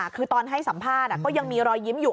คือตอนให้สัมภาษณ์ก็ยังมีรอยยิ้มอยู่